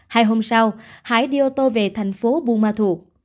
hai hôm sau hải đi ô tô về thành phố buma thuộc